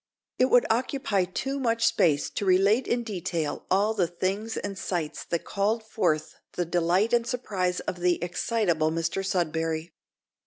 It would occupy too much space to relate in detail all the things and sights that called forth the delight and surprise of the excitable Mr Sudberry.